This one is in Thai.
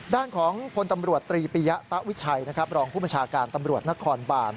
ด้านของพลตำรวจตรีปียะตะวิชัยนะครับรองผู้บัญชาการตำรวจนครบาน